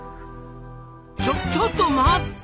ちょちょっと待った！